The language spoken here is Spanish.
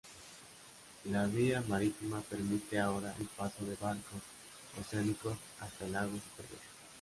La vía marítima permite ahora el paso de barcos oceánicos hasta el Lago Superior.